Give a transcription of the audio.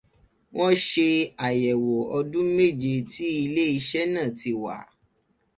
Wón ṣe àyẹ̀wò ọdún méje tí ilé iṣẹ́ náà ti wà.